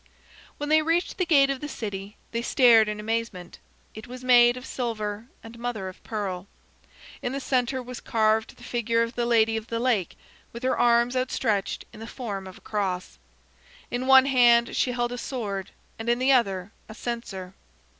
When they reached the gate of the city, they stared in amazement. It was made of silver and mother of pearl. In the center was carved the figure of the Lady of the Lake, with her arms outstretched in the form of a cross. In one hand she held a sword, and in the other a censer.